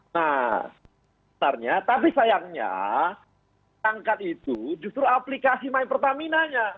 nah antaranya tapi sayangnya angkat itu justru aplikasi my pertaminanya